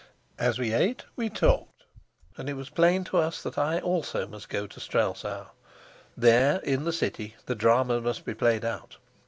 As we ate, we talked; and it was plain to us that I also must go to Strelsau. There, in the city, the drama must be played out.